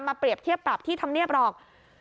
เปรียบเทียบปรับที่ทำเนียบหรอก